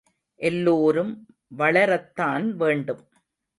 எல்லோரும் வளரத்தான் வேண்டும்.